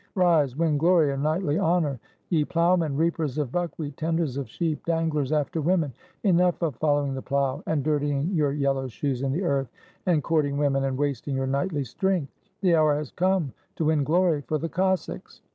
Rise, win glory and knightly honor! Ye ploughmen, reapers of buckwheat, tenders of sheep, danglers after women, enough of following the plough, and dirtying your yellow shoes in the earth, and court ing women, and wasting your knightly strength! The hour has come to win glory for the Cossacks!"